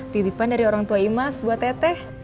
titipan dari orang tua imas buat teteh